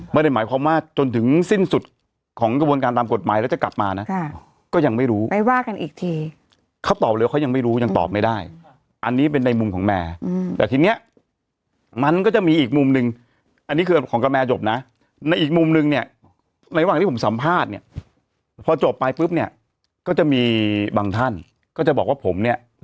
ไม่ได้หมายความว่าจนถึงสิ้นสุดของกระบวนการตามกฎหมายแล้วจะกลับมานะก็ยังไม่รู้ไปว่ากันอีกทีเขาตอบเลยว่าเขายังไม่รู้ยังตอบไม่ได้อันนี้เป็นในมุมของแมร์แต่ทีเนี้ยมันก็จะมีอีกมุมหนึ่งอันนี้คือของกระแยจบนะในอีกมุมนึงเนี่ยในระหว่างที่ผมสัมภาษณ์เนี่ยพอจบไปปุ๊บเนี่ยก็จะมีบางท่านก็จะบอกว่าผมเนี่ย